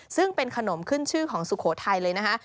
ซึ่งเป็นขนมขึ้นชื่อของสุโขทัยเลยนะคะ